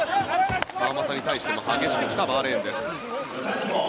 川真田に対しても激しく来たバーレーンです。